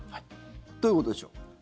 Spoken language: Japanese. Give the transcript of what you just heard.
どういうことでしょう？